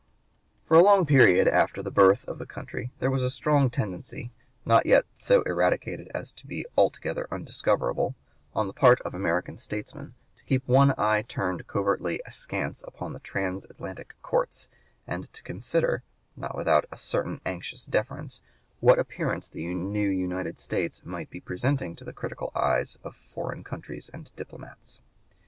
For a long period after the birth of the country there was a strong tendency, not yet so eradicated as to be altogether undiscoverable, on the part of American statesmen to keep one eye turned covertly askance upon the trans Atlantic courts, and to consider, not without a certain anxious deference, what appearance the new United States might be presenting to the critical eyes of foreign countries and diplomats.